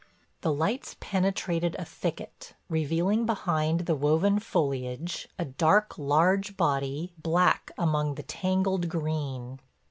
The lights penetrated a thicket, revealing behind the woven foliage, a dark, large body, black among the tangled green.